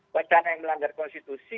wacana yang melanggar konstitusi